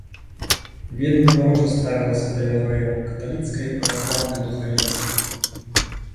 Вельмі варожа ставілася да яўрэяў каталіцкае і праваслаўнае духавенства.